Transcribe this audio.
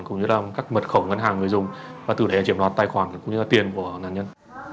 cũng như là các mật khẩu ngân hàng người dùng và từ đấy là triểm loạt tài khoản cũng như là tiền của nàn nhân